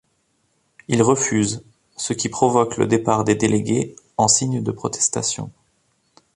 Il refuse ce qui provoque le départ des délégués en signe de protestation...